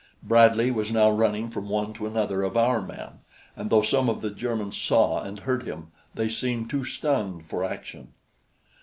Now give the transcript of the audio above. Bradley was now running from one to another of our men, and though some of the Germans saw and heard him, they seemed too stunned for action.